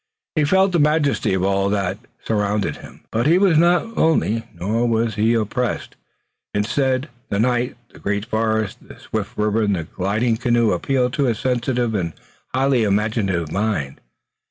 He felt the majesty of all that surrounded him, but he was not lonely, nor was he oppressed. Instead, the night, the great forest, the swift river and the gliding canoe appealed to his sensitive and highly imaginative mind.